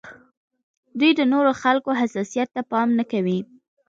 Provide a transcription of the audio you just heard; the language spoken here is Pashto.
دوی د نورو خلکو حساسیت ته پام نه کوي.